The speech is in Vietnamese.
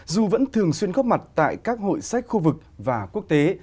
dù vẫn thường xuyên góp mặt tại các hội sách khu vực và quốc tế